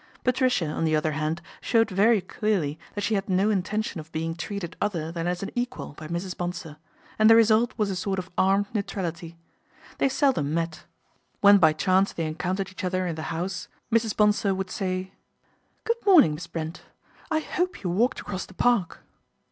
Patricia, on the other hand, showed very clearly that she had no intention of being treated other than as an equal by Mrs. Bonsor, and the result was a sort of armed neutrality. They seldom met ; when by chance they encountered each other in the house Mrs. 20 PATRICIA BRENT, SPINSTER Bonsor would say, " Good morning, Miss Brent ; 1 hope you walked across the Park."